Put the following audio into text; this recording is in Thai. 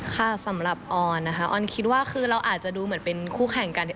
ค่ะสำหรับออนนะคะออนคิดว่าคือเราอาจจะดูเหมือนเป็นคู่แข่งกัน